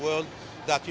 bahwa saatnya saatnya